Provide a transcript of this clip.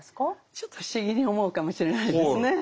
ちょっと不思議に思うかもしれないですね。